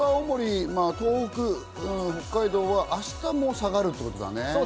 東北や北海道は明日も下がるってことだね。